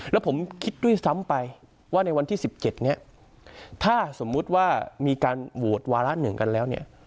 แล้วผมคิดด้วยซ้ำไปว่าในวันที่๑๗เนี่ยถ้าสมมุติว่ามีการโหวตวาระหนึ่งกันแล้วเนี่ย